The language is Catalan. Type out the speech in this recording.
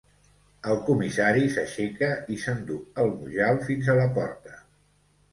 El comissari s'aixeca i s'endú el Mujal fins a la porta.